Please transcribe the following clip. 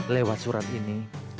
lewat surat ini